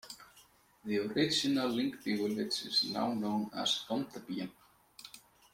The original Lyngby village is now known as Bondebyen.